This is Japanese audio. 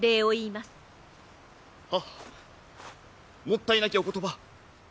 もったいなきお言葉。